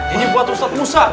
ini buat ustadz musa